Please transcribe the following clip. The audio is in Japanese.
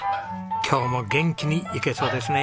今日も元気にいけそうですね！